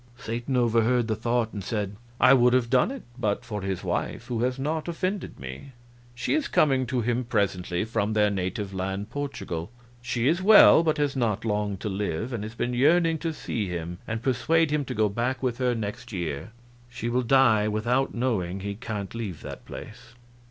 Satan overheard the thought, and said: "I would have done it but for his wife, who has not offended me. She is coming to him presently from their native land, Portugal. She is well, but has not long to live, and has been yearning to see him and persuade him to go back with her next year. She will die without knowing he can't leave that place."